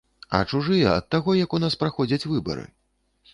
А чужыя ад таго, як у нас праходзяць выбары.